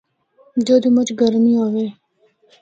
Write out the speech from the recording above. جدّوں مُچ گرمی ہوّے۔